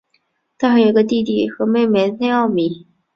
他还有一个弟弟和妹妹内奥米。